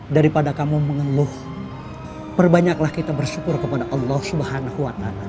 daripada kamu mengeluh perbanyaklah kita bersyukur kepada allah swt